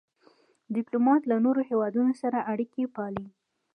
ډيپلومات له نورو هېوادونو سره اړیکي پالي.